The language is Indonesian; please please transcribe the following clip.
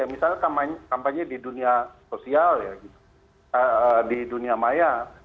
misalnya kampanye di dunia sosial di dunia maya